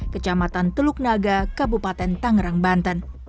kecamatan teluk naga kabupaten tangerang banten